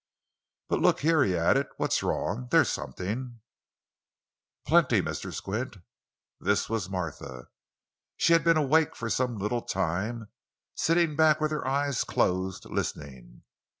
"But, look here," he added. "What's wrong? There's something——" "Plenty, Mr. Squint." This was Martha. She had been awake for some little time, sitting back with her eyes closed, listening.